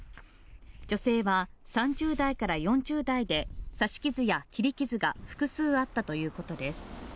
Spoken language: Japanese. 女性は３０代から４０代で刺し傷や切り傷が複数あったということです。